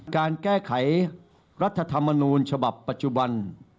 การแก้ไขรัฐธรรมนูญฉบับปัจจุบัน